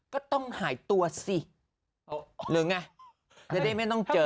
ก็ต้องหายตัวสิหรืเร้งงะทีนี้ไม่น้องเจอ